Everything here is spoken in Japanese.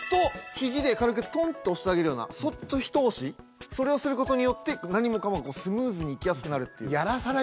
ヒジで軽くトンと押してあげるようなそっと一押しそれをすることによって何もかもがスムーズにいきやすくなるっていう。